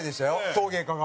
陶芸家が。